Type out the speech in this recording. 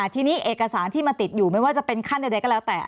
ทีนี้เอกสารที่มาติดอยู่ไม่ว่าจะเป็นขั้นใดก็แล้วแต่